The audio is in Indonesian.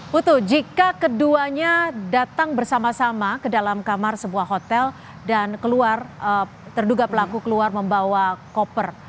putu jika keduanya datang bersama sama ke dalam kamar sebuah hotel dan keluar terduga pelaku keluar membawa koper